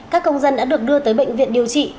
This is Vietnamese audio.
các công dân đã được đưa tới bệnh viện điều trị